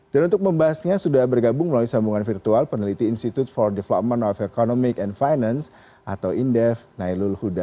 dan untuk membahasnya sudah bergabung melalui sambungan virtual peneliti institute for development of economic and finance atau indef nailul huda